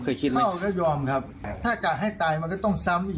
แต่ผมยิงไปอันเดียวเอง